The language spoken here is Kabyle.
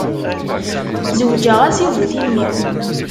Zewǧeɣ-as i bu timmi.